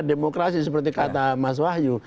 demokrasi seperti kata mas wahyu